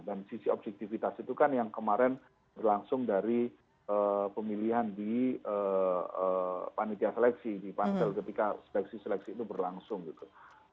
dan sisi objektivitas itu kan yang kemarin berlangsung dari pemilihan di panitia seleksi di pansel ketika seleksi seleksi itu berlangsung gitu